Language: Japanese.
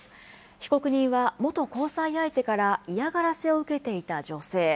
被告人は元交際相手から嫌がらせを受けていた女性。